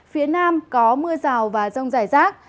phía nam có mưa rào và rông dài rác